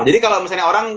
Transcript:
jadi kalau misalnya orang